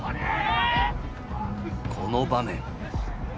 この場面。